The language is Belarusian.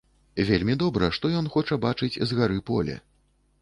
Вельмі добра, што ён хоча бачыць з гары поле.